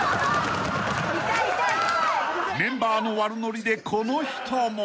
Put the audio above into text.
［メンバーの悪乗りでこの人も］